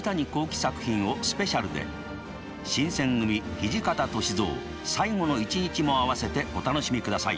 土方歳三最期の一日」も合わせてお楽しみください。